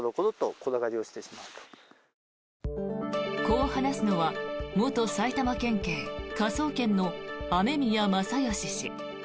こう話すのは元埼玉県警科捜研の雨宮正欣氏。